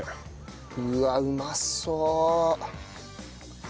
うわっうまそう！